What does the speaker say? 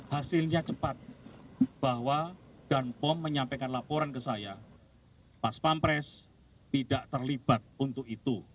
hasilnya cepat bahwa danpom menyampaikan laporan ke saya pas pampres tidak terlibat untuk itu